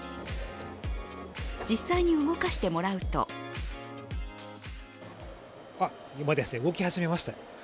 実際に動かしてもらうと今、動き始めました。